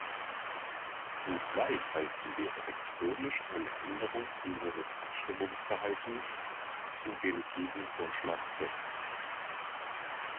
Zugleich halten wir elektronisch eine Änderung unseres Abstimmungsverhaltens zu dem Gegenvorschlag fest.